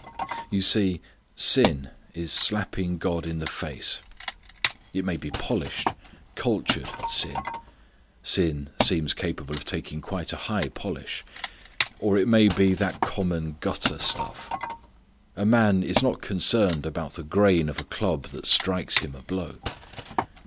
You see sin is slapping God in the face. It may be polished, cultured sin. Sin seems capable of taking quite a high polish. Or it may be the common gutter stuff. A man is not concerned about the grain of a club that strikes him a blow.